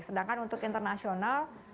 sedangkan untuk internasional